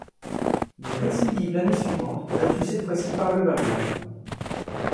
Ils récidivent l'année suivante, battus cette fois-ci par Levallois.